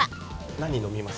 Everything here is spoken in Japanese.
何飲みます？